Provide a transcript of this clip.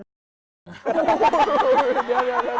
เดี๋ยว